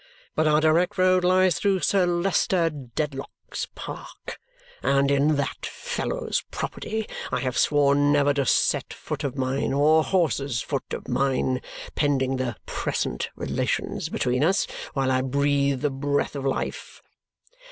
But our direct road lies through Sir Leicester Dedlock's park, and in that fellow's property I have sworn never to set foot of mine, or horse's foot of mine, pending the present relations between us, while I breathe the breath of life!"